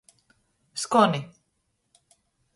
Skoni.